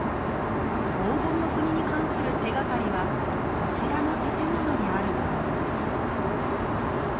黄金の国に関する手がかりはこちらの建物にあるといいます。